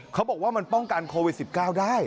เขาบอกว่ามันป้องกันโควิด๑๙ได้